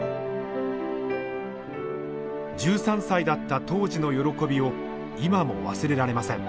１３歳だった当時の喜びを今も忘れられません。